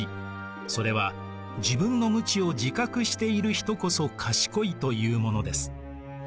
それは自分の無知を自覚している人こそ賢いというものです。